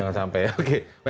jangan sampai ya